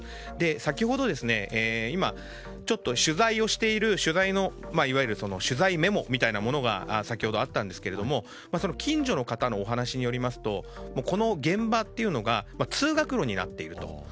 先ほど、今ちょっと取材をしている取材メモみたいなものが先ほどあったんですが近所の方のお話によりますとこの現場というのが通学路になっていると。